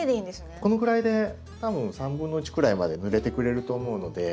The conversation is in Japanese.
このくらいで多分1/3くらいまでぬれてくれると思うので。